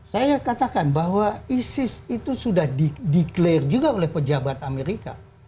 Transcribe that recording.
saya katakan bahwa isis itu sudah di declare juga oleh pejabat amerika